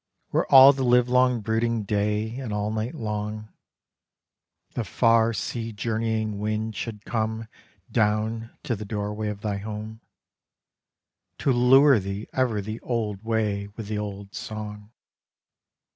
Where all the livelong brooding day And all night long, The far sea journeying wind should come Down to the doorway of thy home, To lure thee ever the old way With the old song.